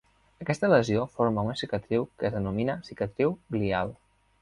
Aquesta lesió forma una cicatriu que es denomina cicatriu glial.